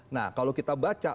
nah kalau kita baca